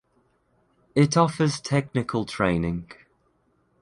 It offers technical training.